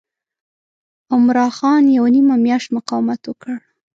عمرا خان یوه نیمه میاشت مقاومت وکړ.